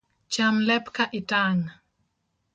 Cham lep ka itang’